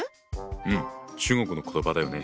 うん中国の言葉だよね。